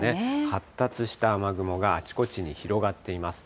発達した雨雲があちこちに広がっています。